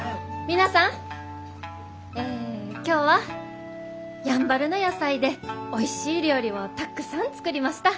皆さんえ今日はやんばるの野菜でおいしい料理をたくさん作りました。